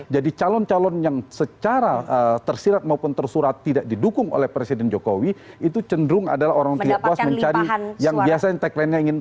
jadi calon calon yang secara tersirat maupun tersurat tidak didukung oleh presiden jokowi itu cenderung adalah orang yang tidak puas mencari yang biasanya tagline nya ingin